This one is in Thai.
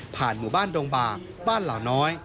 หมู่บ้านดงบากบ้านเหล่าน้อย